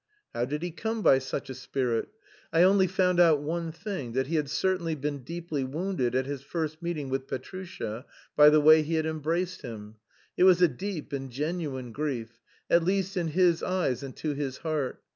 How did he come by such spirit? I only found out one thing, that he had certainly been deeply wounded at his first meeting with Petrusha, by the way he had embraced him. It was a deep and genuine grief; at least in his eyes and to his heart.